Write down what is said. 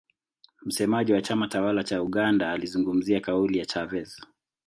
msemaji wa chama tawala cha uganda alizungumzia kauli ya chavez